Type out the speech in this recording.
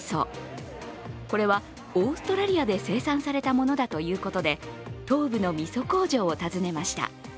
これはオーストラリアで生産されたものだということで、東部のみそ工場を訪ねました。